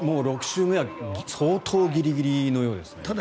６周目は相当ギリギリのようですね。